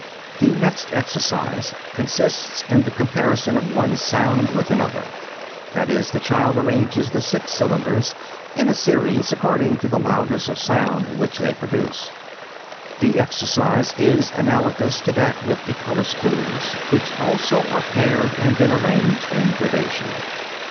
The next exercise consists in the comparison of one sound with another; that is, the child arranges the six cylinders in a series according to the loudness of sound which they produce. The exercise is analogous to that with the color spools, which also are paired and then arranged in gradation.